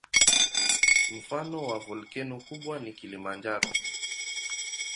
Mfano wa volkeno kubwa ni Kilimanjaro.